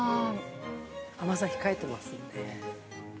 甘さを控えてますので。